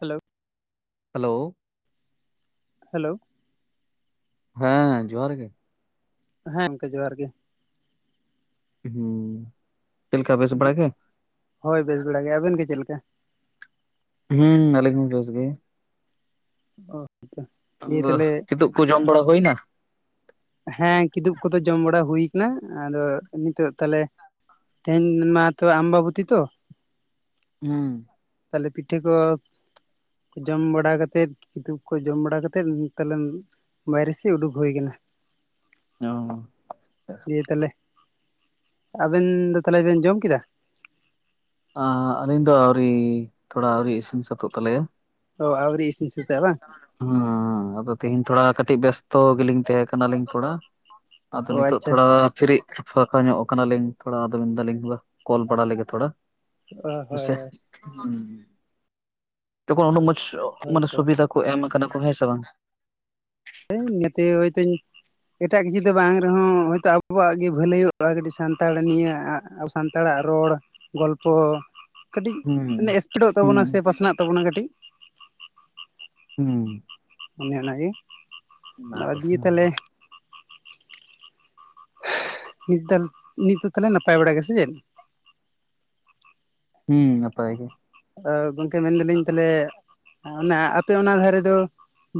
Hello hello hello ᱦᱮᱸ ᱡᱚᱦᱟᱨ ᱜᱮ᱾ ᱦᱮᱸ ᱜᱚᱝᱠᱮ ᱡᱚᱦᱟᱨ ᱜᱮ᱾ ᱦᱩᱸ ᱪᱮᱞᱮᱠᱟ ᱵᱮᱥ ᱵᱟᱲᱟᱜ ᱜᱮ? ᱦᱳᱭ ᱵᱮᱥ ᱵᱮᱲᱟ ᱜᱮ ᱟᱵᱮᱱ ᱜᱮ ᱪᱮᱫ ᱞᱮᱠᱟ? ᱦᱩᱸ ᱟᱞᱤᱧ ᱵᱮᱥ ᱜᱮ᱾ ᱚ ᱟᱪᱪᱷᱟ᱾ ᱟᱫᱚ ᱠᱤᱛᱩ ᱠᱚ ᱡᱚᱢ ᱵᱟᱲᱟ ᱦᱩᱭᱱᱟ? ᱦᱮᱸ ᱠᱤᱫᱩᱵ ᱠᱚᱫᱚ ᱡᱚᱢ ᱵᱟᱲᱟ ᱦᱩᱭᱩ ᱱᱟ ᱟᱫᱚ ᱱᱤᱛᱚᱜ ᱛᱟᱞᱦᱮ ᱛᱮᱦᱮᱧ ᱢᱟ ᱛᱚ ᱟᱢᱵᱟᱵᱩᱛᱤ ᱛᱚ ᱦᱩᱸ ᱛᱟᱞᱮ ᱯᱤᱴᱷᱟᱹ ᱠᱚ ᱡᱚᱢ ᱵᱟᱲᱟ ᱠᱟᱛᱮᱫ ᱠᱫᱩᱜ ᱠᱚ ᱡᱚᱢ ᱵᱟᱲᱟ ᱠᱟᱛᱮᱫ ᱱᱚᱱᱛᱮ ᱵᱟᱭᱨᱮᱥᱮᱜ ᱩᱰᱩᱠ ᱦᱩᱭ ᱠᱟᱱᱟ ᱚ ᱫᱤᱭᱮ ᱛᱟᱞᱦᱮ ᱟᱵᱮᱱ ᱫᱚ ᱛᱟᱞᱦᱮ ᱵᱮᱱ ᱡᱚᱢ ᱠᱮᱫᱟ? ᱟᱞᱤᱧ ᱫᱚ ᱟᱹᱣᱨᱤ ᱛᱷᱚᱲᱟ ᱟᱹᱣᱨᱤ ᱤᱥᱤᱱ ᱥᱟᱹᱛᱚᱜ ᱛᱟᱞᱮᱭᱟ ᱚ ᱟᱣᱨᱤ ᱤᱥᱤᱱ ᱥᱟᱛ ᱚᱜ-ᱟ ᱵᱟᱝ ᱦᱮᱸ ᱟᱫᱚ ᱛᱮᱦᱤᱧ ᱛᱷᱚᱲᱟ ᱠᱟᱹᱴᱤᱡ ᱵᱮᱥᱛᱚ ᱜᱮᱞᱤᱧ ᱛᱮᱦᱮᱸ ᱠᱟᱱᱟ ᱞᱤᱧ ᱛᱷᱚᱲᱟ ᱟᱫᱚ ᱚ ᱱᱤᱛᱚᱜ ᱟᱪᱪᱷᱟ ᱛᱷᱚᱲᱟ ᱯᱷᱤᱨᱤ ᱯᱷᱟᱠᱟ ᱧᱚᱜ ᱠᱟᱱᱟᱞᱤᱧ ᱛᱷᱚᱲᱟ ᱟᱫᱚ ᱢᱮᱱᱫᱟᱞᱤᱧ ᱵᱟᱦ ᱠᱚᱞ ᱵᱟᱲᱟ ᱞᱮᱜᱮ ᱛᱷᱚᱲᱟ ᱚ ᱦᱳᱭ ᱥᱮ ᱦᱳᱭ ᱛᱚᱠᱷᱚᱱ ᱩᱱᱟᱹᱜ ᱢᱚᱡ ᱦᱳᱭ ᱢᱟᱱᱮ ᱛᱚ ᱥᱩᱵᱤᱫᱟ ᱠᱚ ᱮᱢ ᱠᱟᱱᱟ ᱠᱚ ᱦᱮᱸ ᱥᱮ ᱵᱟᱝ ᱦᱮᱸ ᱱᱮᱛᱮᱭᱚ ᱦᱚᱭᱛᱮᱧ ᱮᱴᱟᱜ ᱠᱤᱪᱷᱩ ᱫᱚ ᱵᱟᱝ ᱨᱮᱦᱚᱸᱦᱚᱭᱛᱚ ᱟᱵᱚᱣᱟᱜ ᱜᱮ ᱵᱷᱟᱹᱞᱟᱹᱭ ᱚᱜᱼᱟ ᱠᱟᱹᱴᱤᱡ ᱥᱟᱱᱛᱟᱲ ᱱᱤᱭᱟᱹ ᱟᱜ ᱥᱟᱱᱛᱟᱲ-ᱟᱜ ᱨᱚᱲ ᱜᱚᱞᱯᱷᱚ ᱠᱟᱹᱴᱤᱡ ᱦᱩᱸ ᱢᱟᱱᱮ ᱮᱥᱯᱤᱴᱚᱜ ᱛᱟᱵᱚᱱᱟ ᱦᱩᱸ ᱥᱮ ᱯᱟᱥᱱᱟᱜ ᱛᱟᱵᱚᱱᱟ ᱠᱟᱹᱴᱤᱡ ᱚᱱᱮ ᱚᱱᱟ ᱜᱮ ᱟᱪᱷᱟ ᱱᱤᱛ ᱛᱟᱞ ᱱᱤᱛ ᱫᱚ ᱛᱟᱦᱞᱮ ᱱᱟᱯᱟᱭ ᱵᱟᱲᱟᱭ ᱜᱮ? ᱥᱮ ᱪᱮᱫ ᱦᱩᱸ ᱱᱟᱯᱟᱭ ᱜᱮ ᱜᱚᱝᱠᱮ ᱢᱮᱱᱫᱟᱞᱤᱧ ᱛᱟᱦᱚᱞᱮ ᱚᱱᱟ ᱟᱯᱮ ᱚᱱᱟ ᱫᱷᱟᱨᱮ ᱫᱚ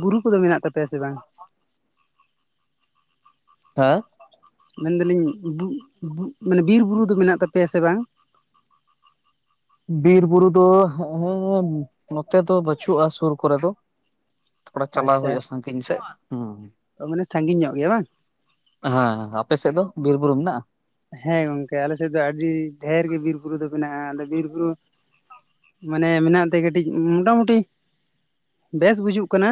ᱵᱩᱨᱩ ᱠᱚᱫᱚ ᱢᱮᱱᱟᱜ ᱛᱟᱯᱮᱭᱟ ᱥᱮ ᱵᱟᱝ? [unintelligible] ᱦᱮᱸ ᱢᱮᱱᱫᱟᱞᱤᱧ ᱵᱩᱜ ᱢᱟᱱᱮ ᱵᱤᱨ ᱵᱩᱨᱩ ᱫᱚ ᱢᱮᱱᱟᱜ ᱛᱟᱯᱮᱭᱟ ᱥᱮ ᱵᱟᱝ? ᱵᱤᱨ ᱵᱩᱨᱩ ᱫᱚ ᱦᱮᱸ ᱩᱸ ᱱᱚᱛᱮ ᱫᱚ ᱵᱟᱹᱪᱩᱜᱼᱟ ᱥᱩᱨ ᱠᱚᱨᱮ ᱫᱚ ᱛᱷᱚᱲᱟ ᱪᱟᱞᱟᱣ ᱦᱩᱭᱩᱜᱼᱟ ᱥᱟᱺᱜᱤᱧ ᱥᱮᱫ ᱦᱩᱸ ᱚ ᱢᱟᱱᱮ ᱥᱟᱺᱜᱤᱧ ᱧᱚᱜ ᱜᱮᱭᱟ ᱵᱟᱝ ᱦᱮᱸ ᱟᱯᱮ ᱥᱮᱫ ᱫᱚ ᱵᱤᱨ ᱵᱩᱨᱩ ᱢᱮᱱᱟᱜᱼᱟ? ᱦᱮᱸ ᱜᱚᱝᱠᱮ ᱟᱞᱮ ᱥᱮᱫ ᱫᱚ ᱟᱹᱰᱤ ᱰᱷᱮᱨ ᱜᱮ ᱵᱤᱨ ᱵᱩᱨᱩ ᱫᱚ ᱢᱮᱱᱟᱜᱼᱟ ᱟᱫᱚ ᱵᱤᱨ ᱵᱩᱨᱩ ᱢᱟᱱᱮ ᱢᱮᱱᱟᱜ ᱛᱮ ᱠᱟᱹᱴᱤᱡ ᱢᱚᱴᱟᱢᱩᱴᱤ ᱵᱮᱥ ᱵᱩᱡᱩᱜ ᱠᱟᱱᱟ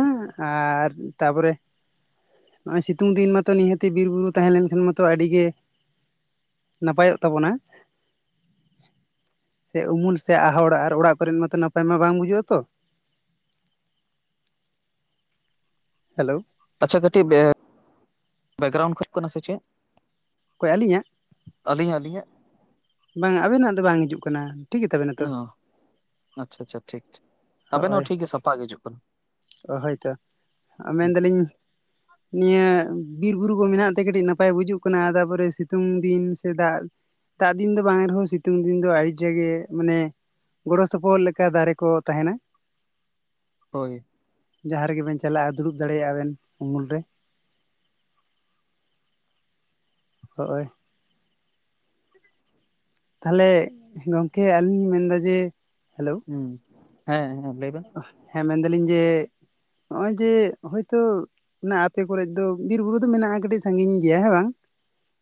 ᱟᱨ ᱛᱟᱯᱚᱨᱮ ᱱᱚᱜ ᱚᱭ ᱥᱤᱛᱩᱝ ᱫᱤᱱ ᱢᱟᱛᱚ ᱱᱤᱦᱟᱹᱛᱤ ᱵᱤᱨ ᱵᱩᱨᱩ ᱛᱟᱦᱮᱸ ᱞᱮᱱᱠᱷᱟᱱ ᱢᱟᱛᱚ ᱟᱹᱰᱤ ᱜᱮ ᱱᱟᱯᱟᱭ-ᱚᱜ ᱛᱟᱵᱚᱱᱟ ᱥᱮ ᱩᱢᱩᱞ ᱥᱮ ᱟᱦᱚᱲ ᱟᱨ ᱚᱲᱟᱜ ᱠᱚᱨᱮᱱ ᱢᱟᱛᱚ ᱱᱟᱯᱟᱭ ᱢᱟ ᱵᱟᱝ ᱵᱩᱡᱩᱜᱼᱟ ᱛᱚ ᱦᱮᱞᱳ ᱟᱪᱪᱷᱟ ᱠᱟᱹᱴᱤᱡ ᱵᱮ ᱵᱮᱠᱜᱨᱩᱱ ᱠᱷᱩ ᱠᱟᱱᱟ ᱥᱮ ᱪᱮᱫ? ᱚᱠᱚᱭ ᱟᱹᱞᱤᱧ-ᱟᱜ? ᱟᱞᱤᱧ-ᱟᱜ ᱟᱞᱤᱧ-ᱟᱜ ᱵᱟᱝ-ᱟ ᱟᱵᱤᱱ-ᱟᱜ ᱫᱚ ᱵᱟᱝ ᱦᱤᱡᱩᱜ ᱠᱟᱱᱟ ᱴᱷᱤᱠ ᱜᱮᱛᱟᱵᱮᱱᱟ ᱚ ᱛᱚ ᱟᱪᱪᱷᱟ ᱟᱪᱪᱷᱟ ᱴᱷᱤᱠ ᱠᱦᱤ ᱟᱵᱮᱱ ᱦᱳᱭ ᱦᱚᱸ ᱴᱷᱤᱠᱜᱮ ᱥᱟᱯᱟ ᱜᱮ ᱦᱤᱡᱩᱜ ᱠᱟᱱᱟ, ᱦᱳᱭᱛᱚ ᱦᱩᱸ ᱢᱮᱱᱫᱟᱞᱤᱧ ᱱᱤᱭᱟᱹ ᱵᱤᱨ ᱵᱩᱨᱩ ᱠᱚ ᱢᱮᱱᱟᱜ ᱛᱮ ᱠᱟᱹᱴᱤᱡ ᱱᱟᱯᱟᱭ ᱵᱩᱡᱩᱜ ᱠᱟᱱᱟ ᱛᱟᱯᱚᱨᱮ ᱥᱤᱛᱩᱝ ᱫᱤᱱ ᱥᱮ ᱫᱟᱜᱽ ᱫᱟᱜᱽ ᱫᱤᱱ ᱫᱚ ᱵᱟᱝ ᱨᱮᱦᱚᱸ ᱥᱤᱛᱩᱝ ᱫᱤᱱ ᱫᱚ ᱟᱹᱰᱤ ᱡᱟᱭᱜᱮ ᱢᱟᱱᱮ ᱜᱚᱲᱚ ᱥᱚᱯᱚᱦᱚᱫ ᱞᱮᱠᱟ ᱫᱟᱨᱮ ᱠᱚ ᱛᱟᱦᱮᱱᱟ ᱦᱳᱭ ᱡᱟᱦᱟ ᱨᱮᱜᱮᱵᱮᱱ ᱪᱟᱞᱟᱜᱼᱟ ᱫᱩᱲᱩᱵ ᱫᱟᱲᱮᱭᱟᱜᱼᱟ ᱵᱮᱱ ᱩᱢᱩᱞ ᱨᱮ ᱦᱚᱜᱼᱳᱭ ᱛᱟᱦᱚᱞᱮ ᱜᱚᱝᱠᱮ ᱟᱹᱞᱤᱧ ᱞᱤᱧ ᱢᱮᱱᱫᱟ ᱡᱮ, ᱦᱮᱞᱳ᱾ ᱦᱩᱸ ᱦᱮᱸ ᱞᱟᱹᱭ ᱵᱮᱱ᱾ ᱦᱮᱸ ᱢᱮᱱᱫᱟᱞᱤᱧ ᱡᱮ ᱦᱚᱜᱼᱚᱭ ᱡᱮ ᱦᱚᱭ ᱛᱚ ᱱᱟ ᱟᱯᱮ ᱠᱚᱨᱮᱫ ᱫᱚ ᱵᱤᱨ ᱵᱩᱨᱩ ᱫᱚ ᱢᱮᱱᱟᱜᱼᱟ ᱠᱟᱹᱴᱤᱡ ᱥᱟᱺᱜᱤᱧ ᱜᱮᱭᱟ ᱦᱮᱸ ᱵᱟᱝ᱾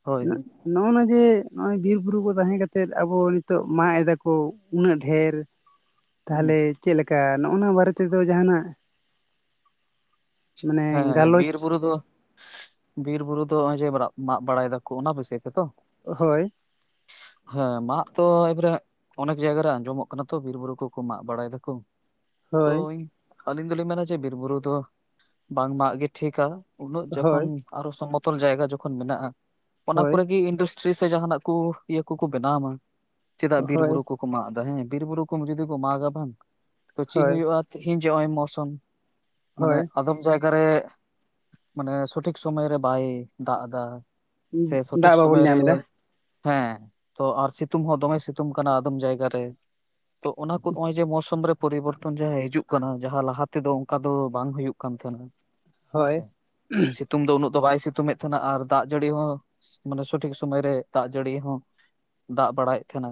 ᱦᱳᱭ ᱦᱳᱭ ᱱᱚᱜ ᱱᱟ ᱡᱮ ᱱᱚᱭ ᱵᱤᱨ ᱵᱩᱨᱩ ᱠᱚ ᱛᱟᱦᱮᱸ ᱠᱮᱛᱮᱫ ᱟᱵᱚ ᱱᱤᱛᱚᱜ ᱢᱟᱜ ᱮᱫᱟ ᱠᱚ ᱩᱱᱟᱹᱜ ᱰᱷᱮᱨ᱾ ᱦᱩᱸ ᱛᱟᱦᱮᱞᱮ ᱪᱮᱫ ᱞᱮᱠᱟ ᱱᱚᱜ ᱱᱟ ᱵᱟᱨᱮ ᱛᱮᱫᱚ ᱡᱟᱦᱟᱱᱟᱜ ᱢᱟᱱᱮ ᱦᱮᱸ ᱜᱟᱞᱚᱪ ᱵᱤᱨ ᱵᱩᱨᱩ ᱫᱚ ᱵᱤᱨ ᱵᱩᱨᱩ ᱫᱚ ᱦᱚᱜᱼᱚᱭ ᱡᱮ ᱵᱟᱨᱟᱜ ᱢᱟᱜ ᱵᱟᱲᱟᱭ ᱫᱟᱠᱚ ᱚᱱᱟ [unintelligible] ᱜᱮᱛᱚ᱾ ᱦᱳᱭ᱾ [inaudible] ᱦᱮᱸ ᱢᱟᱜ ᱛᱚ ᱮᱵᱟᱨᱮ ᱚᱱᱮᱠ ᱡᱟᱭᱜᱟ ᱨᱮ ᱟᱸᱧᱡᱚᱢᱚᱜ ᱠᱟᱱᱟ ᱛᱚ ᱵᱤᱨ ᱵᱩᱨᱩ ᱠᱚᱠᱚ ᱢᱟᱜ ᱵᱟᱲᱟᱭ ᱫᱟᱠᱚ᱾ ᱛᱚ ᱦᱳᱭ ᱤᱧ ᱫᱚᱞᱤᱧ ᱢᱮᱱᱟ ᱪᱮ ᱵᱤᱨ ᱵᱩᱨᱩ ᱫᱚ ᱵᱟᱝ ᱢᱟᱜ ᱜᱮ ᱴᱷᱤᱠᱠᱟ ᱩᱱᱟᱹᱜ ᱡᱚᱠᱷᱚᱱ ᱦᱳᱭ ᱟᱨᱚ ᱥᱚᱢᱚᱛᱚᱞ ᱡᱟᱭᱜᱟ ᱡᱚᱠᱷᱚᱱ ᱢᱮᱱᱟᱜᱼᱟ᱾ ᱚᱱᱟ ᱦᱳᱭ ᱠᱚᱨᱮ ᱜᱮ ᱤᱱᱰᱟᱥᱴᱨᱤ ᱥᱮ ᱡᱟᱦᱟᱱᱟᱜ ᱠᱩ ᱤᱭᱟᱹ ᱠᱩᱠᱩ ᱵᱮᱱᱟᱣ ᱢᱟ ᱪᱮᱫᱟᱜ ᱵᱤᱨ ᱦᱳᱭ ᱵᱩᱨᱩ ᱠᱩ ᱠᱚ ᱢᱟᱜ ᱫᱟ ᱦᱮᱸ ᱵᱤᱨ ᱵᱩᱨᱩ ᱠᱚᱢ ᱡᱩᱫᱤ ᱠᱚ ᱢᱟᱜᱟ ᱵᱟᱝ ᱛᱚ ᱪᱤᱜ ᱦᱳᱭ ᱦᱩᱭᱩᱜᱼᱟ ᱛᱤᱦᱤᱧ ᱡᱮ ᱱᱚᱜᱼᱚᱭ ᱢᱚᱣᱥᱚᱢ ᱢᱟᱱᱮ ᱦᱳᱭ ᱟᱫᱚᱢ ᱠᱟ ᱨᱮ ᱢᱟᱱᱮ ᱥᱚᱴᱷᱤᱠ ᱥᱚᱢᱚᱭ ᱨᱮ ᱵᱟᱭ ᱫᱟᱜ ᱫᱟ᱾ ᱥᱮ ᱥᱚᱴᱷᱤᱠ ᱫᱟᱜ ᱵᱟᱵᱚᱱ ᱥᱚᱢᱚᱭ ᱨᱮ ᱧᱟᱢ ᱮᱫᱟ ᱦᱮᱸ ᱛᱚ ᱟᱨ ᱥᱤᱛᱩᱝ ᱦᱚᱸ ᱫᱚᱢᱮ ᱥᱤᱛᱩᱝ ᱠᱟᱱᱟ ᱟᱫᱚᱢ ᱡᱟᱭᱜᱟ ᱨᱮ᱾ ᱛᱚ ᱚᱱᱟ ᱠᱚ ᱚᱜᱼᱚᱭ ᱡᱮ ᱢᱳᱣᱥᱚᱢ ᱨᱮ ᱯᱚᱨᱤᱵᱚᱨᱛᱚᱱ ᱡᱟᱦᱟᱸ ᱦᱤᱡᱩᱜ ᱠᱟᱱᱟ ᱡᱟᱦᱟᱸ ᱞᱟᱦᱟ ᱛᱮᱫᱚ ᱚᱝᱠᱟ ᱫᱚ ᱵᱟᱝ ᱦᱩᱭᱩᱜ᱾ [unintelligible] ᱦᱮᱸ ᱦᱳᱭ ᱥᱮ ᱥᱮᱛ ᱛᱩᱝ ᱫᱚ ᱩᱱᱟᱹᱜ ᱫᱚ ᱵᱟᱭ ᱥᱤᱛᱩᱢ ᱮᱫ ᱛᱟᱦᱮᱱᱟ ᱟᱨ ᱫᱟᱜ ᱡᱟᱹᱲᱤ ᱦᱚᱸ ᱢᱟᱱᱮ ᱥᱚᱴᱷᱤᱠ ᱥᱚᱢᱚᱭ ᱨᱮ ᱫᱟᱜ ᱡᱟᱹᱲᱤ ᱦᱚᱸ ᱫᱟᱜ ᱵᱟᱲᱟᱭᱮᱜ ᱛᱟᱦᱮᱱᱟ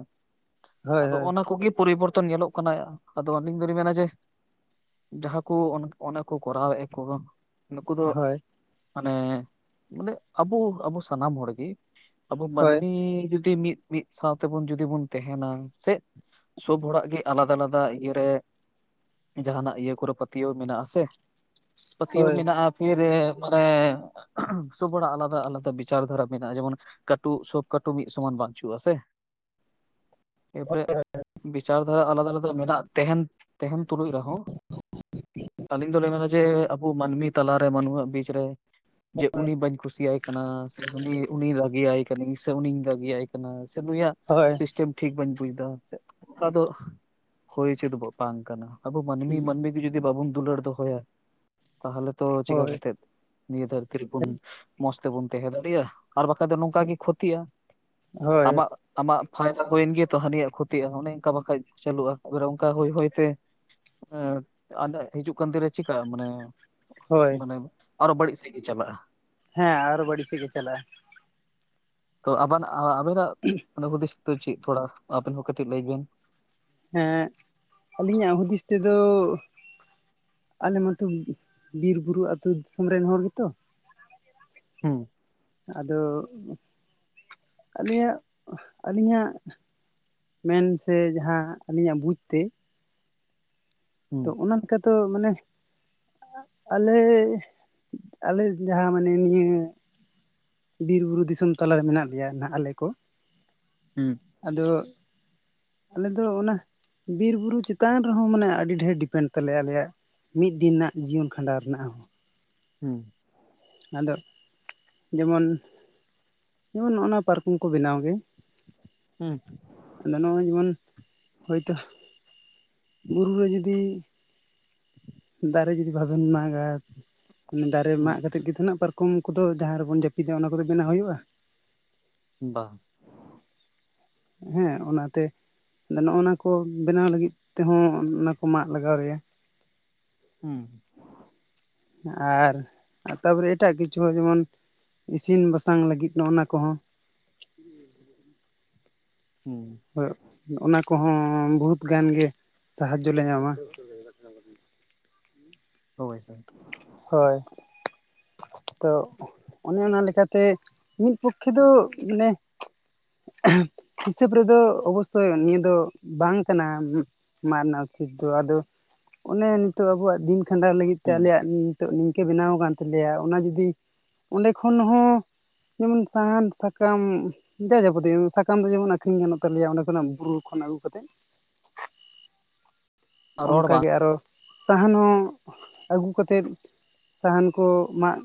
ᱦᱳᱭ ᱟᱫᱚ ᱦᱳᱭ ᱚᱱᱟ ᱠᱚᱜᱤ ᱯᱚᱨᱤᱵᱚᱨᱛᱚᱱ ᱧᱮᱞᱚᱜ ᱠᱟᱱᱟ ᱟᱫᱚ ᱟᱹᱞᱤᱧ ᱫᱚᱞᱤ ᱢᱮᱱᱟ ᱡᱮ ᱡᱟᱦᱟᱸ ᱠᱩ ᱚᱱᱮᱠ ᱚᱱᱟ ᱠᱚ ᱠᱚᱨᱟᱣᱮᱜ ᱠᱩᱦᱚ ᱱᱩᱠᱩ ᱫᱚ ᱦᱳᱭ ᱢᱟᱱᱮ ᱢᱟᱱᱮ ᱟᱵᱚ ᱟᱵᱚ ᱥᱟᱱᱟᱢ ᱦᱚᱲ ᱜᱮ ᱟᱵᱚ ᱦᱳᱭ ᱢᱟᱹᱱᱢᱤ ᱡᱩᱫᱤ ᱢᱤᱫ ᱢᱤᱫ ᱥᱟᱶ ᱛᱮᱵᱚᱱ ᱡᱩᱫᱤ ᱵᱚᱱ ᱛᱟᱦᱮᱱᱟ ᱥᱮᱜᱽ, ᱥᱳᱵ ᱚᱲᱟᱜ ᱜᱮ ᱟᱞᱟᱫᱟ ᱟᱞᱟᱫᱟ ᱤᱭᱟᱹ ᱨᱮ ᱡᱟᱦᱟᱱᱟᱜ ᱤᱭᱟᱹ ᱠᱚᱨᱮ ᱯᱟᱹᱛᱭᱟᱹᱣ ᱢᱮᱱᱟᱜᱼᱟ ᱥᱮ ᱯᱟᱹᱛᱭᱟᱹᱣ ᱦᱳᱭ ᱢᱮᱱᱟᱜᱼᱟ ᱯᱷᱤᱨ ᱢᱟᱱᱮ ᱥᱳᱵ ᱦᱚᱲᱟᱜ ᱟᱞᱟᱫᱟ ᱟᱞᱟᱫᱟ ᱵᱤᱪᱟᱨ ᱫᱷᱟᱨᱟ ᱢᱮᱱᱟᱜᱼᱟ ᱡᱮᱢᱚᱱ ᱠᱟᱹᱴᱩᱵ ᱥᱚᱵ ᱠᱟᱹᱴᱩᱵ ᱢᱤᱫ ᱥᱚᱢᱟᱱ ᱵᱟᱪᱩᱜᱼᱟ ᱥᱮ ᱮ ᱯᱮ ᱵᱤᱪᱟᱨ ᱫᱷᱟᱨᱟ ᱟᱞᱟᱫᱟ ᱟᱞᱟᱫᱟ ᱢᱮᱱᱟᱜ ᱛᱮᱦᱮᱱ ᱛᱮᱦᱮᱱ ᱛᱩᱞᱩᱡ ᱨᱮᱦᱚᱸ ᱟᱹᱞᱤᱧ ᱫᱚᱞᱮ ᱢᱮᱱᱟ ᱡᱮ ᱟᱵᱚ ᱢᱟᱹᱱᱢᱤ ᱛᱟᱞᱟ ᱨᱮ ᱢᱟᱹᱱᱣᱟᱜ ᱵᱤᱪ ᱨᱮ ᱡᱮ ᱩᱱᱤ ᱵᱟᱹᱧ ᱠᱩᱥᱤᱟᱭ ᱠᱟᱱᱟ ᱥᱮ ᱦᱟᱱᱤ ᱩᱱᱤ ᱨᱟᱹᱜᱮ ᱭᱟᱭ ᱠᱟᱹᱱᱟᱹᱧ ᱥᱮ ᱩᱱᱤ ᱨᱟᱹᱜᱤᱭᱟᱭ ᱠᱟᱱᱟ ᱥᱮ ᱱᱩᱭᱟᱜ ᱦᱳᱭ ᱥᱤᱥᱴᱮᱢ ᱴᱷᱤᱠ ᱵᱟᱹᱧ ᱵᱩᱡ ᱫᱟ ᱥᱮ ᱚᱠᱟ ᱫᱚ ᱦᱩᱭ ᱩᱪᱤᱫ ᱵᱟᱹ ᱵᱟᱝ ᱠᱟᱱᱟ ᱟᱵᱚ ᱢᱟᱹᱱᱢᱤ-ᱢᱟᱹᱱᱢᱤ ᱡᱩᱫᱤ ᱵᱟᱵᱚᱱ ᱫᱩᱞᱟᱹᱲ ᱫᱚᱦᱚᱭᱟ ᱛᱟᱦᱚᱞᱮ ᱛᱚ ᱪᱮᱠᱟ ᱦᱳᱭ ᱠᱟᱛᱮᱜ ᱱᱤᱭᱟᱹ ᱫᱷᱟᱹᱨᱛᱤ ᱨᱮᱵᱩᱱ ᱢᱚᱸᱡᱽ ᱛᱮᱵᱚᱱ ᱛᱮᱦᱮᱸ ᱫᱟᱲᱮᱭᱟᱜᱼᱟ᱾ ᱟᱨ ᱵᱟᱠᱷᱟᱡ ᱫᱚ ᱱᱚᱝᱠᱟ ᱜᱮ ᱠᱷᱚᱛᱤᱜᱼᱟ ᱦᱳᱭ ᱟᱢᱟᱜ ᱟᱢᱟᱜ ᱯᱷᱟᱭᱫᱟ ᱜᱮ ᱛᱚ ᱦᱟᱹᱱᱤᱭᱟᱜ ᱠᱷᱚᱛᱤᱜᱼᱟ, ᱚᱱᱮ ᱮᱝᱠᱟ ᱵᱟᱠᱷᱟᱡ ᱪᱟᱹᱞᱩᱜᱼᱟ ᱮᱵᱟᱨᱮ ᱚᱝᱠᱟ ᱦᱳᱭ ᱦᱳᱭ ᱛᱮ ᱮ ᱟᱞᱮ ᱦᱤᱡᱩᱜ ᱠᱟᱱ ᱫᱤᱱ ᱨᱮ ᱪᱤᱠᱟᱹᱜᱼᱟ ᱢᱟᱱᱮ ᱦᱳᱭ ᱢᱟᱱᱮ ᱟᱨᱚ ᱵᱟᱹᱲᱤᱡ ᱥᱮᱜ ᱜᱤ ᱪᱟᱞᱟᱜᱼᱟ᱾ ᱦᱮᱸ ᱟᱨᱚ ᱵᱟᱹᱲᱤᱡ ᱥᱮᱜ ᱜᱮ ᱪᱟᱞᱟᱜᱼᱟ᱾ ᱛᱚ ᱟᱵᱟᱱ ᱟ ᱟᱵᱮᱱ ᱟᱜ [unintelligible] ᱚᱱᱟ ᱠᱚᱫᱤᱥ ᱫᱚ ᱪᱤᱫ ᱛᱷᱚᱲᱟ ᱟᱵᱮᱱ ᱦᱚᱸ ᱠᱟᱹᱴᱤᱡ ᱞᱟᱹᱭ ᱵᱮᱱ᱾ ᱦᱮᱸ ᱟᱹᱞᱤᱧᱟᱜ ᱦᱩᱫᱤᱥ ᱛᱮᱫᱚ ᱟᱞᱮ ᱢᱟᱛᱚ ᱵᱤᱨ ᱵᱩᱨᱩ ᱟᱹᱛᱳ ᱫᱤᱥᱚᱢ ᱨᱮᱱ ᱦᱚᱲ ᱜᱮᱛᱚ᱾ ᱦᱩᱸ᱾ ᱟᱫᱚ ᱟᱞᱮᱭᱟᱜ ᱟᱹᱞᱤᱧᱟᱜ ᱢᱮᱱ ᱥᱮ ᱡᱟᱦᱟᱸ ᱟᱹᱞᱤᱧᱟᱜ ᱵᱩᱡᱽ ᱛᱮ᱾ ᱛᱚ ᱦᱩᱸ ᱚᱱᱟ ᱞᱮᱠᱟᱛᱚ ᱢᱟᱱᱮ ᱟᱞᱮ, ᱟᱞᱮ ᱡᱟᱦᱟᱸ ᱢᱟᱱᱮ ᱱᱤᱭᱟᱹ ᱵᱤᱨ ᱵᱩᱨᱩ ᱫᱤᱥᱚᱢ ᱛᱟᱞᱟ ᱨᱮ ᱢᱮᱱᱟᱜ ᱞᱮᱭᱟ ᱱᱟᱦᱟᱜ ᱟᱞᱮ ᱠᱚ ᱦᱩᱸ ᱟᱫᱚ ᱟᱞᱮᱚ ᱚᱱᱟ ᱵᱤᱨ ᱵᱩᱨᱩ ᱪᱮᱛᱟᱱ ᱨᱮᱦᱚᱸ ᱢᱟᱱᱮ ᱟᱹᱰᱤ ᱰᱷᱮᱨ ᱰᱤᱯᱮᱱᱰ ᱛᱟᱞᱮᱭᱟ ᱟᱞᱮᱭᱟᱜ ᱢᱤᱫ ᱫᱤᱱ ᱨᱮᱱᱟᱜ ᱡᱤᱭᱚᱱ ᱠᱷᱟᱸᱰᱟᱣ ᱨᱮᱱᱟᱜ ᱦᱚᱸ᱾ ᱦᱩᱸ ᱟᱫᱚ ᱡᱮᱢᱚᱱ ᱡᱮᱢᱚᱱ ᱱᱚᱜ ᱱᱚᱣᱟ ᱯᱟᱨᱠᱚᱢ ᱠᱚ ᱵᱮᱱᱟᱣ ᱜᱮ᱾ ᱦᱩᱸ ᱟᱫᱚ ᱱᱚᱜᱼᱚᱭ ᱡᱮᱢᱚᱱ ᱦᱚᱭᱛᱚ, ᱵᱩᱨᱩ ᱨᱮ ᱡᱩᱫᱤ ᱫᱟᱨᱮ ᱡᱩᱫᱤ ᱵᱟᱵᱮᱱ ᱢᱟᱜᱟ, ᱫᱟᱨᱮ ᱢᱟᱜ ᱠᱟᱛᱮᱜ ᱜᱮ ᱛᱚ ᱱᱟᱜ ᱯᱟᱨ- ᱠᱚᱢ ᱠᱚᱫᱚ ᱡᱟᱦᱟᱸ ᱨᱮᱵᱚᱱ ᱡᱟᱹᱯᱤᱫᱟ ᱚᱱᱟ ᱠᱚᱫᱚ ᱵᱮᱱᱟᱣ ᱦᱩᱭᱩᱜᱼᱟ᱾ ᱵᱟ᱾ ᱦᱮᱸ ᱚᱱᱟᱛᱮ ᱟᱫᱚ ᱱᱚᱜ-ᱱᱟ ᱠᱚ ᱵᱮᱱᱟᱣ ᱞᱟᱹᱜᱤᱫ ᱛᱮᱦᱚᱸ ᱚᱱᱟ ᱠᱚ ᱢᱟᱜ ᱞᱟᱜᱟᱣ ᱞᱮᱭᱟ᱾ ᱦᱩᱸ ᱟᱨ ᱛᱟᱯᱚᱨᱮ ᱮᱴᱟᱜ ᱠᱤᱪᱷᱩ ᱡᱮᱢᱚᱱ ᱤᱥᱤᱱ ᱵᱟᱥᱟᱝ ᱞᱟᱹᱜᱤᱫ ᱱᱚᱜᱼᱱᱟ ᱠᱚᱦᱚᱸ᱾ ᱦᱩᱸ ᱚᱱᱟ ᱠᱚᱦᱚᱸ ᱵᱚᱦᱩᱛ ᱜᱟᱱ ᱜᱮ ᱥᱟᱦᱟᱡᱡᱚ ᱞᱮ ᱧᱟᱢᱟ᱾ ᱦᱳᱭ ᱦᱳᱭ᱾ ᱦᱳᱭ ᱛᱚ ᱚᱱᱮ ᱚᱱᱟ ᱞᱮᱠᱟᱛᱮ ᱢᱤᱫ ᱯᱚᱠᱠᱷᱮ ᱫᱚ ᱢᱟᱱᱮ ᱦᱤᱥᱟᱹᱵ ᱨᱮᱫᱚ ᱚᱵᱚᱥᱥᱳᱭ ᱱᱤᱭᱟᱹ ᱫᱚ ᱵᱟᱝ ᱠᱟᱱᱟ, ᱢᱟᱜ ᱨᱮᱱᱟᱜ ᱩᱪᱤᱛ ᱫᱚ ᱟᱫᱚ ᱚᱱᱮ ᱱᱤᱛᱚᱜ ᱟᱵᱚᱣᱟᱜ ᱫᱤᱱ ᱠᱷᱟᱸᱰᱟᱣ ᱞᱟᱹᱜᱤᱫ ᱛᱮ ᱦᱩᱸ ᱟᱞᱮᱭᱟᱜ ᱱᱤᱛᱚᱜ ᱱᱤᱝᱠᱟᱹ ᱵᱮᱱᱟᱣ ᱟᱠᱟᱱ ᱛᱟᱞᱮᱭᱟ ᱚᱱᱟ ᱡᱩᱫᱤ ᱚᱸᱰᱮ ᱠᱷᱚᱱ ᱦᱚᱸ ᱡᱮᱢᱚᱱ ᱥᱟᱦᱟᱱ, ᱥᱟᱠᱟᱢ ᱡᱟ ᱡᱟᱵᱚᱛᱤᱭᱚ ᱥᱟᱠᱟᱢ ᱫᱚ ᱡᱮᱢᱚᱱ ᱟᱹᱠᱷᱨᱤᱧ ᱜᱟᱱᱚᱜ ᱛᱟᱞᱮᱭᱟ ᱚᱸᱰᱮ ᱠᱷᱚᱱᱟᱜ ᱵᱩᱨᱩ ᱠᱷᱚᱱ ᱟᱹᱜᱩ ᱠᱟᱛᱮᱫ, ᱨᱚᱲ ᱵᱟᱝ ᱚᱱᱠᱟᱜᱮ ᱟᱨᱚ ᱥᱟᱦᱟᱱ ᱦᱚᱸ ᱟᱹᱜᱩ ᱠᱟᱛᱮᱫ ᱥᱟᱦᱟᱱ ᱠᱚ ᱢᱟᱜ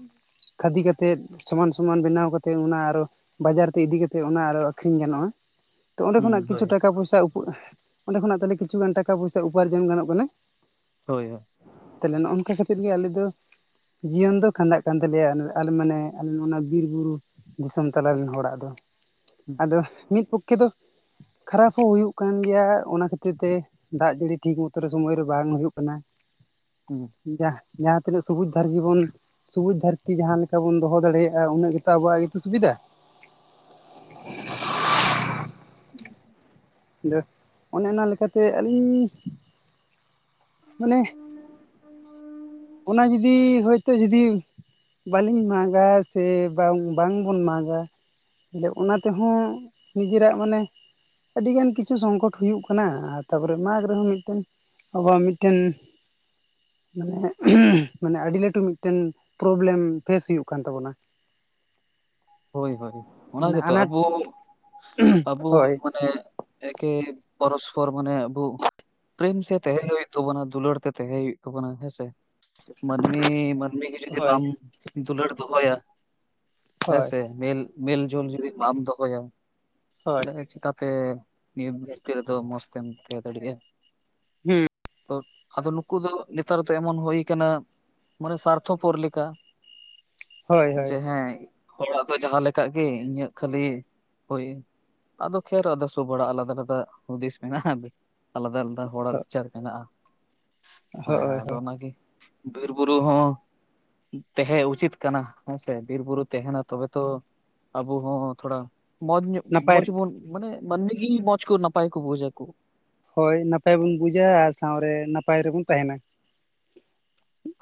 ᱠᱷᱟᱫᱤ ᱠᱟᱛᱮᱫ ᱥᱚᱢᱟᱱ ᱥᱚᱢᱟᱱ ᱵᱮᱱᱟᱣ ᱠᱟᱛᱮᱫ ᱚᱱᱟ ᱟᱨᱚ ᱵᱟᱡᱟᱨ ᱛᱮ ᱤᱫᱤᱠᱟᱛᱮᱫ ᱚᱱᱟ ᱟᱨᱚ ᱟᱹᱠᱷᱨᱤᱧ ᱜᱟᱱᱚᱜᱼᱟ᱾ ᱛᱚ ᱚᱸᱰᱮ ᱦᱩᱸ ᱠᱷᱚᱱᱟᱜ ᱠᱤᱷᱩ ᱦᱳᱭ ᱴᱟᱠᱟ ᱯᱚᱭᱥᱟ ᱩᱟ, ᱚᱸᱰᱮ ᱠᱷᱚᱱᱟᱜ ᱛᱟᱦᱚᱞᱮ ᱠᱤᱪᱷᱩ ᱜᱟᱱ ᱴᱟᱠᱟ ᱯᱚᱭᱥᱟ ᱩᱯᱟᱨᱡᱚᱱ ᱜᱟᱱᱚᱜ ᱠᱟᱱᱟ᱾ ᱦᱳᱭ ᱛᱟᱦᱚᱞᱮ ᱱᱚᱜᱼᱱᱚᱝ ᱠᱟ ᱠᱟᱛᱮᱫ ᱜᱮ ᱟᱞᱮ ᱫᱚ, ᱡᱤᱭᱚᱱ ᱫᱚ ᱠᱷᱟᱸᱰᱟᱜ ᱠᱟᱱ ᱛᱟᱞᱮᱭᱟ ᱟᱞᱮ ᱢᱟᱱᱮ ᱟᱞᱮ ᱚᱱᱟ ᱵᱤᱨ ᱵᱩᱨᱩ, ᱫᱤᱥᱚᱢ ᱛᱟᱞᱟ ᱨᱮᱱ ᱦᱚᱲᱟᱜ ᱫᱚ᱾ ᱟᱫᱚ ᱢᱤᱫ ᱯᱚᱠᱠᱷᱮ ᱫᱚ, ᱠᱷᱟᱨᱟᱯ ᱦᱚᱸ ᱦᱩᱭᱩᱜ ᱠᱟᱱ ᱜᱮᱭᱟ ᱚᱱᱟ ᱠᱷᱟᱹᱛᱤᱨ ᱛᱮ ᱫᱟᱜ ᱡᱟᱹᱲᱤ ᱴᱷᱤᱠ ᱢᱚᱛᱚ ᱨᱮ ᱥᱳᱢᱚᱭ ᱨᱮ ᱵᱟᱝ ᱦᱩᱭᱩᱜ ᱠᱟᱱᱟ᱾ ᱦᱩᱸ ᱡᱟ ᱡᱟᱦᱟᱸ ᱛᱤᱱᱟᱹᱜ ᱥᱩᱵᱩᱡ ᱫᱷᱟᱨ ᱡᱤᱵᱚᱱ ᱥᱩᱵᱩᱡ ᱫᱷᱟᱹᱨᱛᱤ ᱡᱟᱦᱟᱸ ᱞᱮᱠᱟ ᱵᱚᱱ ᱫᱚᱦᱚ ᱫᱟᱲᱮᱭᱟᱜᱼᱟ ᱩᱱᱟᱹᱜ ᱜᱮᱛᱚ ᱟᱵᱚᱣᱟᱜ ᱜᱮᱛᱚ ᱥᱩᱵᱤᱫᱷᱟ᱾ [inaudible] ᱵᱮ ᱚᱱᱮ ᱚᱱᱟ ᱞᱮᱠᱟᱛᱮ ᱟᱹᱞᱤᱧ ᱢᱟᱱᱮ ᱚᱱᱟ ᱡᱩᱫᱤ ᱦᱚᱭᱛᱳ ᱡᱩᱫᱤ, ᱵᱟᱞᱤᱧ ᱢᱟᱜᱟ ᱥᱮ ᱵᱟᱝ, ᱵᱟᱝᱵᱚᱱ ᱢᱟᱜᱟ᱾ ᱟᱫᱚ ᱚᱱᱟ ᱛᱮᱦᱚᱸ ᱱᱤᱡᱮᱨᱟᱜ ᱢᱟᱱᱮ ᱟᱹᱰᱤ ᱜᱟᱱ ᱠᱤᱪᱷᱩ ᱥᱚᱝᱠᱚᱴ ᱦᱩᱭᱩᱜ ᱠᱟᱱᱟ, ᱛᱟᱯᱚᱨᱮ ᱢᱟᱜ ᱨᱮᱦᱚᱸ ᱢᱤᱫᱴᱮᱱ ᱟᱵᱚᱣᱟᱜ ᱢᱤᱫᱴᱮᱱ ᱢᱟᱱᱮ, ᱢᱟᱱᱮ ᱟᱹᱰᱤ ᱞᱟᱹᱴᱩ ᱢᱤᱫᱴᱮᱱ ᱯᱨᱚᱵᱞᱮᱢ ᱯᱷᱮᱥ ᱦᱩᱭᱩᱜ ᱠᱟᱱ ᱛᱟᱵᱳᱱᱟ᱾ ᱦᱳᱭ ᱦᱳᱭ ᱚᱱᱟ ᱢᱟᱱᱮ ᱜᱮᱛᱚ ᱟᱱᱟᱴ ᱟᱵᱚ, ᱟᱵᱚ ᱦᱳᱭ ᱮ ᱮᱠᱤ ᱯᱚᱨᱚᱥᱯᱚᱨ ᱢᱟᱱᱮ ᱟᱵᱩ ᱯᱨᱮᱢ ᱥᱮ ᱛᱮᱦᱮᱸ ᱦᱩᱭᱩᱜ ᱛᱟᱵᱚᱱᱟ, ᱫᱩᱞᱟᱹᱲ ᱛᱮ ᱛᱮᱦᱮᱸ ᱦᱩᱭᱩᱜ ᱛᱟᱵᱳᱱᱟ ᱦᱮᱸᱥᱮ, ᱢᱟᱹᱱᱢᱤ ᱢᱟᱹᱱᱢᱤ ᱜᱮ ᱡᱩᱫᱤ ᱦᱳᱭ ᱵᱟᱢ ᱫᱩᱞᱟᱹᱲ ᱫᱚᱦᱚᱭᱟ ᱾ ᱦᱳᱭ ᱦᱮᱸᱥᱮ ᱢᱮ ᱢᱮᱞ ᱡᱳᱞ ᱡᱩᱫᱤ ᱵᱟᱢ ᱫᱚᱦᱚᱭᱟ ᱦᱳᱭ ᱛᱟᱦᱚᱞᱮ ᱪᱤᱠᱟᱛᱮ ᱱᱤᱛᱚᱜ ᱵᱷᱤᱛᱤᱨ ᱨᱮᱫᱚ ᱢᱚᱡᱽ ᱛᱮᱢ ᱛᱟᱦᱮᱸᱫᱟᱲᱮᱣᱟᱜᱼᱟ ᱾ ᱦᱩᱸ ᱛᱚᱸ ᱟᱫᱚ ᱱᱩᱠᱩ ᱫᱚ ᱱᱮᱛᱟᱨ ᱫᱚ ᱮᱢᱚᱱ ᱦᱩᱭᱩ ᱟᱠᱟᱱᱟ ᱢᱟᱱᱮ ᱥᱟᱨᱛᱷᱚ ᱯᱚᱨ ᱞᱮᱠᱟ ᱾ ᱦᱳᱭ ᱦᱳᱭ ᱡᱮ ᱦᱮᱸ ᱦᱚᱲᱟᱜ ᱫᱚ ᱡᱟᱦᱟᱸ ᱞᱮᱠᱟ ᱜᱮ ᱤᱧᱟᱹᱜ ᱠᱷᱟᱹᱞᱤ ᱦᱳᱭ ᱾ ᱟᱫᱚ ᱠᱷᱮᱨ ᱟᱫᱚ ᱥᱚᱵᱲᱟᱜ ᱟᱞᱟᱫᱟ ᱟᱞᱟᱫᱟ ᱦᱩᱫᱤᱥ ᱢᱮᱱᱟᱜᱼᱟ ᱟᱞᱟᱫᱟ ᱟᱞᱟᱫᱟ ᱾ ᱦᱚᱲᱟᱜ ᱵᱤᱪᱟᱨ ᱢᱮᱱᱟᱜᱼᱟ ᱦᱮᱸ ᱦᱳᱭ ᱟᱫᱚ ᱦᱳᱭ ᱚᱱᱟᱜᱮ ᱵᱤᱨ ᱵᱩᱨᱩ ᱦᱚᱸ ᱛᱟᱦᱮᱸ ᱩᱪᱤᱛ ᱠᱟᱱᱟ ᱦᱮᱸᱥᱮ ᱵᱤᱨ ᱵᱩᱨᱩ ᱛᱟᱦᱮᱱᱟ ᱛᱚᱵᱮ ᱛᱚ ᱟᱵᱚ ᱦᱚᱸ ᱛᱷᱚᱲᱟ ᱢᱚᱸᱡᱽ ᱧᱚᱜ ᱱᱟᱯᱟᱭ ᱢᱚᱸᱡᱽ ᱵᱚᱱ ᱢᱟᱱᱮ ᱢᱟᱱᱢᱤ ᱜᱮ ᱢᱚᱡᱽ ᱠᱚ ᱱᱟᱯᱟᱭ ᱠᱚ ᱵᱩᱡᱟ ᱠᱚ ᱾ ᱦᱳᱭ ᱱᱟᱯᱟᱭ ᱵᱚᱱ ᱵᱩᱡᱟ ᱟᱨ ᱥᱟᱶ ᱨᱮ ᱱᱟᱯᱟᱭ ᱨᱮᱵᱚᱱ ᱛᱟᱦᱮᱱᱟ ᱾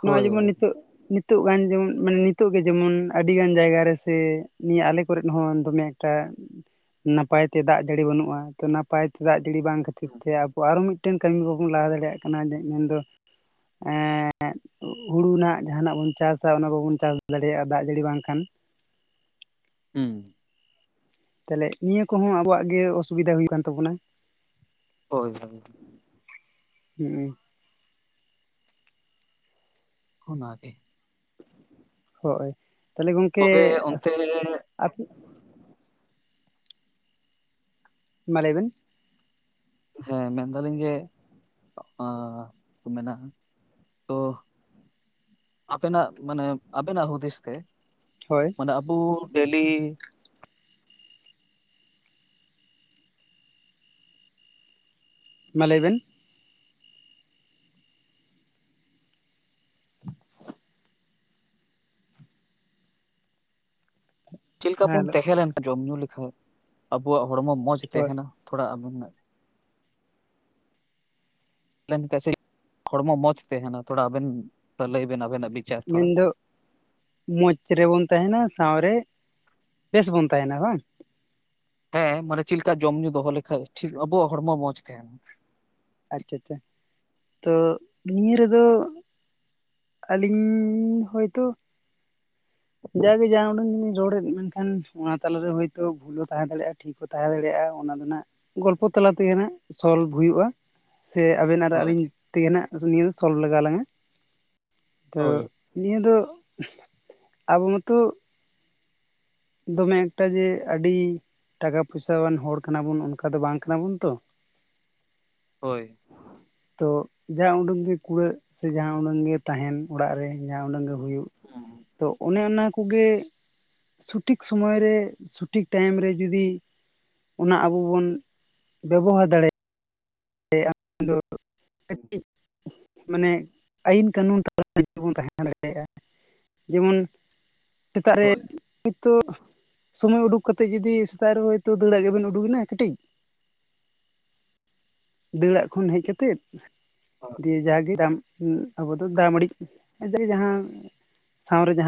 ᱱᱚᱜᱼᱚᱭ ᱦᱳᱭ ᱡᱮᱢᱚᱱ ᱦᱳᱭ ᱱᱤᱛᱚᱜ ᱱᱤᱛ ᱱᱤᱛᱚᱜ ᱜᱟᱱ ᱡᱮᱢᱚᱱ ᱢᱟᱱᱮ ᱱᱤᱛᱚᱜ ᱜᱮ ᱡᱮᱢᱚᱱ ᱟᱹᱰᱤ ᱜᱟᱱ ᱡᱟᱭᱜᱟ ᱨᱮ ᱥᱮ ᱱᱤᱭᱟᱹ ᱟᱞᱮ ᱠᱚᱨᱜ ᱦᱚᱸ ᱫᱚᱢᱮ ᱮᱠᱴᱟ ᱱᱟᱯᱟᱭᱛᱮ ᱫᱟᱜ ᱡᱟᱹᱲᱤ ᱵᱟᱹᱱᱩᱜᱼᱟ ᱛᱚ ᱱᱟᱯᱟᱭᱛᱮ ᱫᱟᱜ ᱡᱟᱹᱲᱤ ᱵᱟᱝ ᱠᱷᱟᱹᱛᱤᱨ ᱛᱮ ᱟ ᱟᱨᱚ ᱢᱤᱫ ᱢᱤᱫᱴᱮᱱ ᱠᱟᱹᱢᱤ ᱠᱚᱵᱚᱱ ᱞᱟᱦᱟ ᱫᱟᱲᱮᱭᱟᱜ ᱠᱟᱱᱟ ᱢᱮᱱᱫᱚ ᱮᱸ [inaudible] ᱦᱩᱲᱩ ᱨᱮᱱᱟᱜ ᱡᱟᱦᱟᱱᱟᱜ ᱵᱚᱱ ᱪᱟᱥᱟ ᱚᱱᱟ ᱵᱟᱵᱚᱱ ᱪᱟᱥ ᱫᱟᱲᱮᱭᱟᱜᱼᱟ ᱫᱟᱜ ᱡᱟᱹᱲᱤ ᱵᱟᱝᱠᱷᱟᱱ ᱾ ᱦᱩᱸ ᱛᱟᱦᱚᱞᱮ ᱱᱤᱭᱟᱹ ᱠᱚᱦᱚᱸ ᱟᱵᱚᱣᱟᱜ ᱜᱮ ᱚᱥᱩᱵᱤᱫᱟ ᱦᱩᱭᱩᱜ ᱠᱟᱱ ᱛᱟᱵᱚᱱᱟ ᱾ ᱦᱳᱭ ᱦᱮᱸ [unintelligible] ᱦᱮᱸ ᱚᱱᱟ ᱜᱮ ᱦᱳᱭ ᱛᱟᱦᱚᱞᱮ ᱜᱚᱝᱠᱮ ᱛᱚᱵᱮ ᱚᱱᱛᱮ ᱟ [unintelligible] ᱢᱟ ᱞᱟᱹᱭᱵᱮᱱ ᱦᱮᱸ ᱢᱮᱱᱫᱟᱞᱤᱧ ᱡᱮ ᱦᱚᱼᱚ ᱢᱮᱱᱟ᱾ ᱛᱚ ᱟᱯᱮᱱᱟᱜ ᱢᱟᱱᱮ ᱟᱵᱮᱱᱟᱜ ᱦᱩᱫᱤᱥ ᱛᱮ? ᱦᱳᱭ ᱟᱵᱚ ᱰᱮᱞᱤ ᱢᱟ ᱞᱟᱹᱭ ᱵᱮᱱ [unintelligible] ᱪᱮᱫ ᱞᱮᱠᱟ ᱵᱚᱱ ᱦᱮᱸ ᱛᱟᱦᱮᱸ ᱞᱮᱱ ᱠᱷ ᱡᱚᱢ ᱧᱩ ᱞᱮᱠᱷᱷᱟ ᱟᱵᱚᱣᱟᱜ ᱦᱚᱲᱢᱚ ᱢᱚᱸᱡᱽ ᱦᱳᱭ ᱛᱟᱦᱮᱱᱟ ᱛᱷᱚᱲᱟ ᱟᱵᱚ [inaudible] ᱠᱷᱟᱱ ᱥᱮ ᱦᱚᱲᱢᱚ ᱢᱚᱡᱽ ᱛᱟᱦᱮᱱᱟ ᱛᱷᱚᱲᱟ ᱟᱵᱮᱱ ᱞᱟᱹᱭ ᱵᱮᱱ ᱟᱵᱮᱱᱟᱜ ᱵᱤᱪᱟᱨ ᱛᱷᱚᱲᱟ ᱢᱮᱱ ᱫᱚ [unintelligible] ᱢᱚᱸᱡᱽ ᱨᱮᱵᱚᱱ ᱛᱟᱦᱮᱱᱟ ᱥᱟᱶ ᱨᱮ ᱵᱮᱥ ᱵᱚᱱ ᱛᱟᱦᱮᱱᱟ ᱵᱟᱝ ᱾ ᱦᱮᱸ ᱢᱟᱱᱮ ᱪᱮᱫ ᱞᱮᱠᱟ ᱡᱚᱢ ᱧᱩ ᱫᱚᱦᱚ ᱞᱮᱠᱷᱟᱡ ᱟᱵᱚᱣᱟᱜ ᱦᱚᱲᱢᱚ ᱢᱚᱸᱡᱽ ᱛᱟᱦᱮᱱᱟ ᱾ ᱟᱪᱪᱷᱟ ᱟᱪᱪᱷᱟ ᱛᱚ ᱱᱤᱭᱟᱹ ᱨᱮᱫᱚ ᱟᱹᱞᱤᱧ ᱦᱚᱭᱛᱳ ᱡᱟᱜᱮ ᱡᱟ ᱩᱰᱟᱝ ᱫᱚᱞᱤᱧ ᱨᱚᱲᱮᱫ ᱢᱮᱱᱠᱷᱟᱱ ᱚᱱᱟ ᱛᱟᱞᱟᱨᱮ ᱦᱳᱭᱛᱚ ᱵᱷᱩᱞ ᱦᱚᱸ ᱛᱟᱦᱮᱸ ᱫᱟᱲᱮᱭᱟᱜᱼᱟ ᱴᱷᱤᱠ ᱦᱚᱸ ᱛᱟᱦᱮᱸ ᱫᱟᱲᱮᱭᱟᱜᱼᱟ ᱚᱱᱟ ᱨᱮᱱᱟᱜ ᱜᱚᱞᱯᱚ ᱛᱟᱞᱟ ᱛᱮᱜᱮ ᱱᱟᱜ ᱥᱚᱞᱵᱷ ᱦᱩᱭᱩᱜᱭᱳᱼᱟ ᱾ ᱥᱮ ᱟᱵᱮᱱ ᱟᱨ ᱦᱳᱭ ᱟᱹᱞᱤᱧ ᱛᱮᱜᱮ ᱱᱟᱦᱟᱜ ᱱᱤᱭᱟᱹ ᱥᱚᱞᱵᱷ ᱞᱟᱜᱟᱣ ᱟᱞᱤᱧᱟ ᱛᱚ᱾ ᱦᱳᱭ ᱱᱤᱭᱟᱹ ᱫᱚ ᱟᱵᱚ ᱢᱟᱛᱚ ᱫᱚᱢᱮ ᱮᱠᱴᱟ ᱡᱮ ᱟᱹᱰᱤ ᱴᱟᱠᱟ ᱯᱚᱭᱥᱟᱣᱟᱱ ᱦᱚᱲ ᱠᱟᱱᱟ ᱵᱚᱱ ᱚᱱᱠᱟ ᱫᱚ ᱵᱟᱝ ᱠᱟᱱᱟ ᱵᱚᱱ ᱛᱚ? ᱦᱳᱭ ᱛᱚ ᱡᱟ ᱩᱰᱩᱝ ᱜᱮ ᱠᱩᱲᱟᱹᱜ ᱥᱮ ᱡᱟᱦᱟᱸ ᱩᱰᱟᱹᱝ ᱜᱮ ᱛᱟᱦᱮᱱ ᱚᱲᱟᱜ ᱨᱮ ᱡᱟᱦᱟᱸ ᱩᱰᱟᱝ ᱜᱮ ᱦᱩᱭᱩᱜ ᱦᱩᱸ ᱛᱚ ᱚᱱᱮ ᱚᱱᱟ ᱠᱚᱜᱮ ᱥᱚᱴᱷᱤᱠ ᱥᱚᱢᱚᱭ ᱨᱮ ᱥᱚᱴᱷᱤᱠ ᱴᱟᱭᱤᱢ ᱨᱮ ᱡᱩᱫᱤ ᱚᱱᱟ ᱟᱵᱚ ᱵᱚᱱ ᱵᱮᱵᱚᱦᱟᱨ ᱫᱟᱲᱮᱭᱟᱜᱼᱟ ᱾ ᱮ ᱟᱢ ᱫᱚ ᱠᱟᱹᱴᱤᱡ ᱢᱟᱱᱮ ᱟᱹᱭᱤᱱ ᱠᱟᱹᱱᱩᱱ ᱛ [unintelligible] ᱟ ᱵᱚᱱ ᱛᱟᱦᱮᱸ ᱫᱟᱲᱮᱭᱟᱜᱼᱟ ᱡᱮᱢᱚᱱ ᱥᱮᱛᱟᱜ ᱨᱮ᱾ ᱦᱳᱭ ᱛᱚ ᱥᱳᱢᱳᱭ ᱩᱰᱩᱠ ᱠᱟᱛᱮᱜ ᱡᱩᱫᱤ ᱥᱮᱛᱟᱜ ᱨᱮ ᱦᱚᱭᱛᱳ ᱫᱟᱹᱲᱟᱜ ᱜᱮᱵᱮᱱ ᱩᱰᱩᱠᱮᱱᱟ ᱠᱟᱹᱴᱤᱡ᱾ ᱫᱟᱹᱲᱲᱟᱜ ᱠᱷᱚᱱ ᱦᱮᱡ ᱠᱟᱛᱮᱜ ᱦᱳᱭ ᱫᱤ [unintelligible] ᱭᱮ ᱡᱟᱜᱮ ᱵᱟᱢ ᱟᱵᱚ ᱫᱚ ᱫᱟᱜ ᱢᱟᱹᱲᱤ [unintelligible] ᱡᱟᱦᱟᱸ ᱥᱟᱶᱨᱮ ᱡᱟᱦᱟᱸ